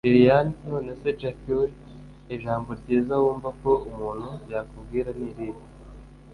lilian nonese jack we, ijambo ryiza wumva ko umuntu yakubwira ni irihe!